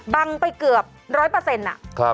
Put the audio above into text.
บังไปเกือบร้อยเปอร์เซ็นต์